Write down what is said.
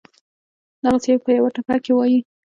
دغسې پۀ يوه ټپه کښې وائي: